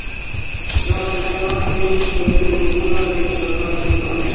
No se conocen hijos de ninguno de estos matrimonios.